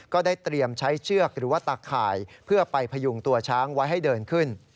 ก็ได้เตรียมใช้เชือกหรือว่าตาข่ายเพื่อไปพยุงตัวช้างไว้ให้เดินขึ้น